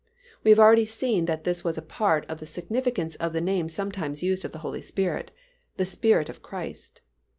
We have already seen that this was a part of the significance of the name sometimes used of the Holy Spirit, "the Spirit of Christ."